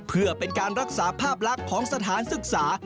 เพื่อเป็นการรักษาภาพลักษณ์ของสถานศึกษา